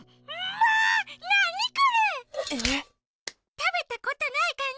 たべたことないかんじ！